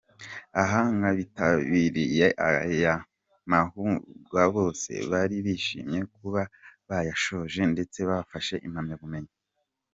Aha nk'abitabiriya aya mahugurwa bose, bari bishimiye kuba bayashoje ndetse bafashe impamyabumenyi.